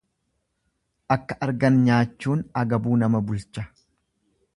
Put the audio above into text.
Akka argan nyaachuun agabuu nama bulcha.